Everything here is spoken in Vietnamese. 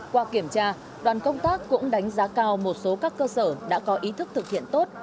qua kiểm tra đoàn công tác cũng đánh giá cao một số các cơ sở đã có ý thức thực hiện tốt